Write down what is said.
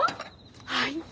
はい。